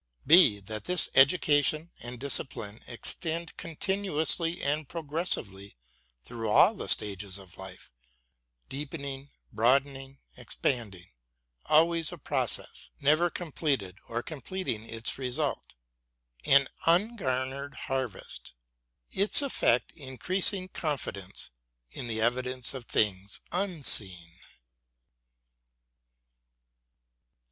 (b) That this education and discipline extend continuously and progressively through all the stages of life, deepening, broadening, expanding ; always a process, never completed or completing its result, an ungarnered harvest, its effect increasing confidence in the evidence of things unseen.